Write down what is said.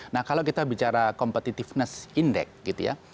nah kalau kita bicara competitiveness index gitu ya